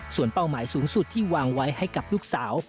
ส่วนเป้าหมายสูงสุดที่วางไว้ให้กับลูกสาว